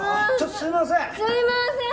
すいません！